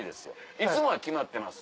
いつもは決まってます。